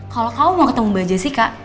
kalau kamu mau ketemu mbak jessica